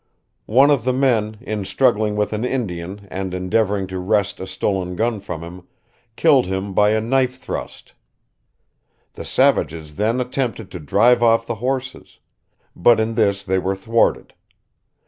One of the men, in struggling with an Indian and endeavoring to wrest a stolen gun from him, killed him by a knife thrust. The savages then attempted to drive off the horses; but in this they were thwarted.